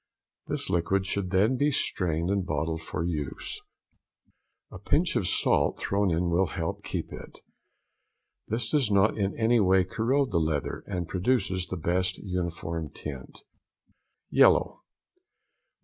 This liquid should then be strained and bottled for use. A pinch of salt thrown in will help to keep it. This does not in any way corrode the leather, and produces the best uniform tint. _Yellow.